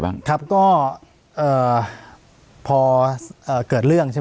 ปากกับภาคภูมิ